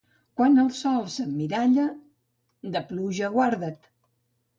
Quan el sol s'emmiralla, de pluja guarda't.